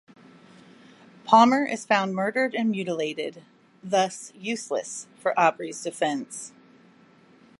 Palmer is found murdered and mutilated, thus useless for Aubrey's defense.